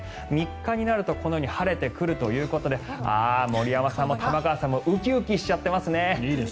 ３日になると、このように晴れてくるということでああ、森山さんも玉川さんもウキウキしちゃってますね。